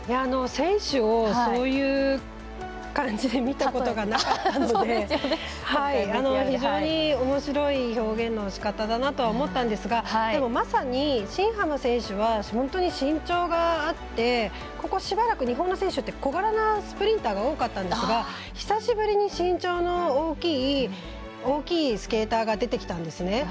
選手をそういう感じで見たことがなかったので非常におもしろい表現のしかただなとは思ったんですがまさに新濱選手は本当に身長があってここしばらく日本の選手って小柄なスプリンターが多かったんですが久しぶりに身長の大きいスケーターが出てきたんですね。